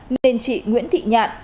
nên chị nguyễn thị nhạn